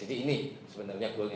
jadi ini sebenarnya goalnya